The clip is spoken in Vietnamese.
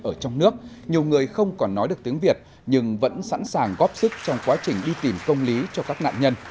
ở trong nước nhiều người không còn nói được tiếng việt nhưng vẫn sẵn sàng góp sức trong quá trình đi tìm công lý cho các nạn nhân